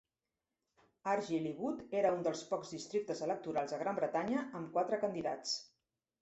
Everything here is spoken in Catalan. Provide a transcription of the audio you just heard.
Argyll i Bute era un dels pocs districtes electorals a Gran Bretanya amb quatre candidats.